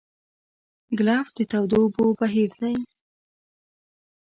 ګلف د تودو اوبو بهیر دی.